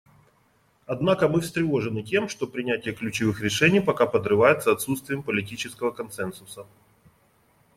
Однако мы встревожены тем, что принятие ключевых решений пока подрывается отсутствием политического консенсуса.